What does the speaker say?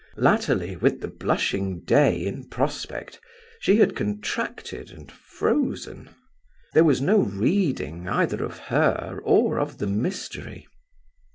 Latterly, with the blushing Day in prospect, she had contracted and frozen. There was no reading either of her or of the mystery.